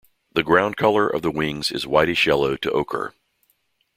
The ground colour of the wings is whitish yellow to ochre.